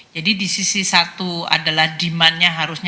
jadi di sisi satu adalah demandnya harusnya